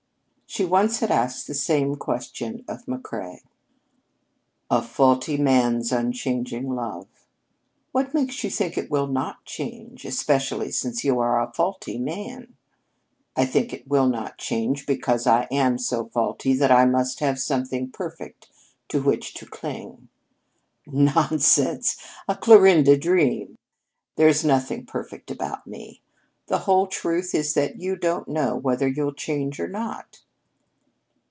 She once had asked the same question of McCrea. "A faulty man's unchanging love." "What makes you think it will not change especially since you are a faulty man?" "I think it will not change because I am so faulty that I must have something perfect to which to cling." "Nonsense! A Clarinda dream! There's nothing perfect about me! The whole truth is that you don't know whether you'll change or not!"